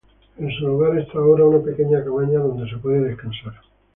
En su lugar está ahora una pequeña cabaña donde se puede descansar.